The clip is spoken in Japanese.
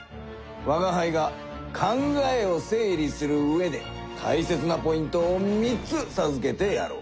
わがはいが考えを整理するうえでたいせつなポイントを３つさずけてやろう。